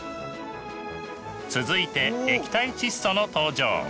続いて液体窒素の登場。